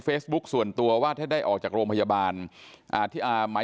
ส่วนตัวว่าถ้าได้ออกจากโรงพยาบาลอ่าที่อ่าหมาย